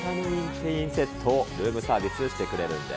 ティーセットをルームサービスしてくれるんです。